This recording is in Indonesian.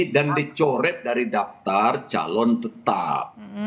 dan dicoret dari daftar calon tetap